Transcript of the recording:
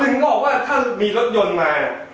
หนึ่งรอบว่าถ้ามีรถยนต์มา